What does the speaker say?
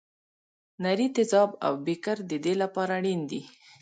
نري تیزاب او بیکر د دې لپاره اړین دي.